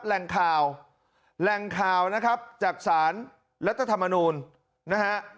แหล่งข่าวแหล่งข่าวนะครับจากสารรัฐธรรมนูลนะฮะ